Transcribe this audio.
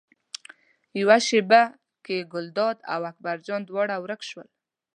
یوه شېبه کې ګلداد او اکبر جان دواړه ورک شول.